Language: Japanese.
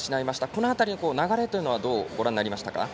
この辺りの流れはどうご覧になりましたか？